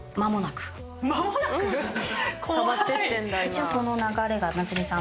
一応その流れがなつみさん